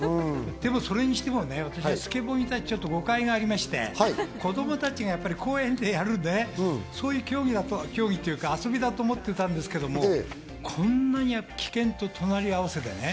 それにしても、私スケボーに誤解がありまして、子供たちが公園でやるそういう遊びだと思ってたんですけど、こんなに危険と隣合わせで。